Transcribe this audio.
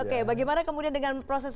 oke bagaimana kemudian dengan proses